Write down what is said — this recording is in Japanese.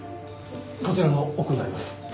こちらの奥になります。